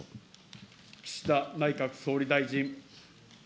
岸田内閣総理大臣。